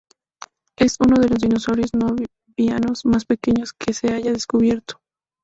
Es uno de los dinosaurios no avianos más pequeños que se hayan descubierto.